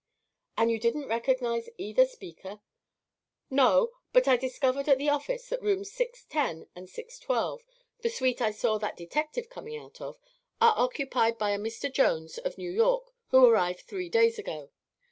"And you didn't recognize either speaker?" "No. But I discovered at the office that rooms 610 and 612 the suite I saw that detective coming out of are occupied by a Mr. Jones, of New York, who arrived three days ago.